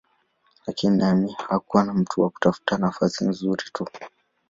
Lakini Nehemia hakuwa mtu wa kutafuta nafasi nzuri tu.